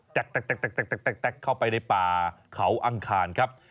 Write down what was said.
แตกเข้าไปในป่าเขาอังคารครับ